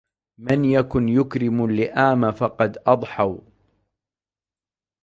من يكن يكرم اللئام فقد أضحوا